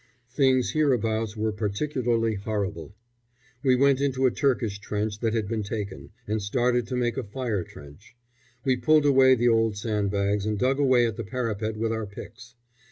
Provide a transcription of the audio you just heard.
Things hereabouts were particularly horrible. We went into a Turkish trench that had been taken, and started to make a fire trench. We pulled away the old sandbags and dug away at the parapet with our picks.